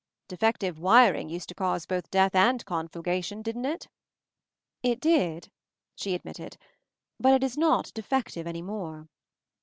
"Defective wiring used to cause both death and conflagration, didn't it?" "It did," she admitted; "but it is not 'de fective' any more."